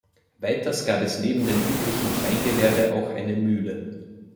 Weiters gab es neben dem üblichen Kleingewerbe auch eine Mühle.